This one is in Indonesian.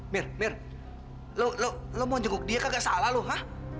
mir mir lu mau ngejenguk dia kagak salah lu ha